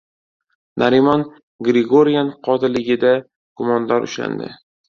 Narimon Grigoryan qotilligida gumondor ushlandi